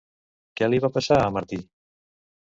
Què li va passar a Martí?